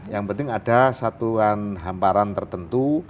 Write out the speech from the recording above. yang penting ada satuan hamparan tertentu